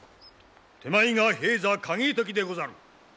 手前が平三景時でござる。